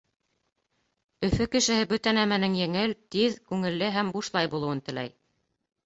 Өфө кешеһе бөтә нәмәнең еңел, тиҙ, күңелле һәм бушлай булыуын теләй.